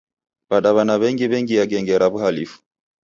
W'adaw'ana w'engi w'engia genge ra w'uhalifu.